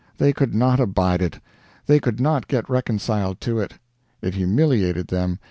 They could not abide it; they could not get reconciled to it. It humiliated them.